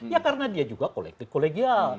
ya karena dia juga kolektif kolegial